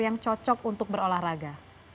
yang cocok untuk berolahraga